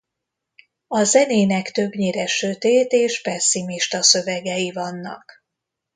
A zenének többnyire sötét és pesszimista szövegei vannak.